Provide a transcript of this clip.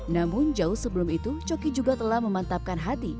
namun jauh sebelum itu coki juga telah memantapkan hati